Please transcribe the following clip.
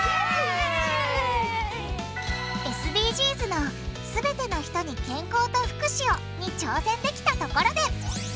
ＳＤＧｓの「すべての人に健康と福祉を」に挑戦できたところで！